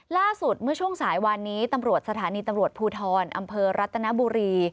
ล่าสุดเมื่อช่วงสายวานนี้ตำรวจสถานีตำรวจภูทรอำเภอรัตนบุรี